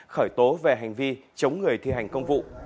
khởi tố về hành vi chống người thi hành công vụ